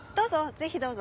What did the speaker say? ぜひどうぞ。